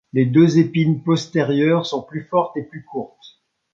Les deux épines postérieures sont plus fortes et plus courtes.